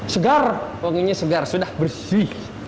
segar wanginya segar sudah bersih